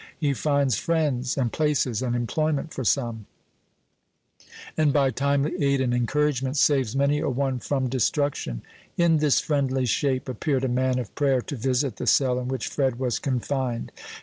He finds friends, and places, and employment for some, and by timely aid and encouragement saves many a one from destruction. In this friendly shape appeared a man of prayer to visit the cell in which Fred was confined.